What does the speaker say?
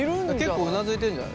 結構うなずいてるんじゃない。